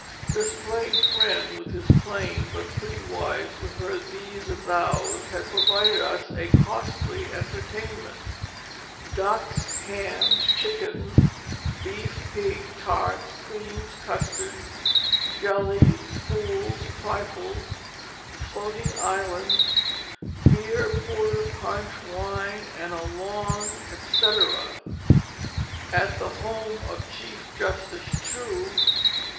"This plain Friend, with his plain but pretty wife with her Thees and Thous, had provided us a costly entertainment; ducks, hams, chickens, beef, pig, tarts, creams, custards, jellies, fools, trifles, floating islands, beer, porter, punch, wine and a long, etc." (At the home of Chief Justice Chew.)